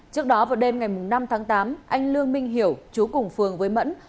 trước đó vào đêm ngày năm tháng tám anh lương minh hiểu chú cùng phường với mẫn